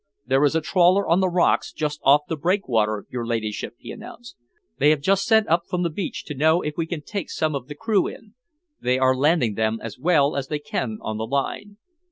"There is a trawler on the rocks just off the breakwater, your ladyship," he announced. "They have just sent up from the beach to know if we can take some of the crew in. They are landing them as well as they can on the line."